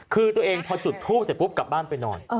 คือตัวเองพอจุดทูปเสร็จปุ๊บกลับบ้านไปนอน